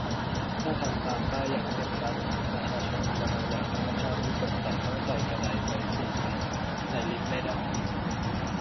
ถ้าทำตามป้ายอย่างเคร่งครัด ประชาชนธรรมดาอย่างข้าพเจ้านี่สงสัยต้องไต่กะไดไปสี่ชั้น ใช้ลิฟต์ไม่ได้